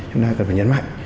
chúng ta cần phải nhấn mạnh